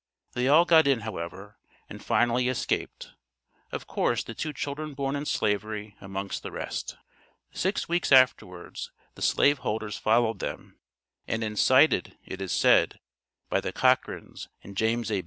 They all got in, however, and finally escaped, of course the two children born in slavery amongst the rest. Six weeks afterwards the slave holders followed them, and incited, it is said, by the Cochrans and James A.